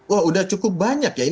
wah udah cukup banyak ya